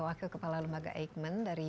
wakil kepala lembaga eijkman dari